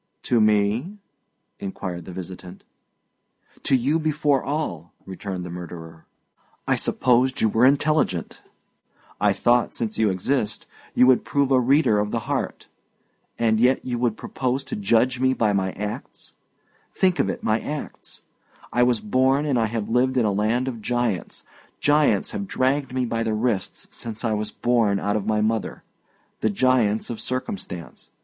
"To me?" inquired the visitant. "To you before all," returned the murderer. "I supposed you were intelligent. I thought since you exist you would prove a reader of the heart. And yet you would propose to judge me by my acts! Think of it my acts! I was born and I have lived in a land of giants; giants have dragged me by the wrists since I was born out of my mother the giants of circumstance.